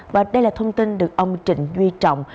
và đây là thông tin được ông trịnh duy trọng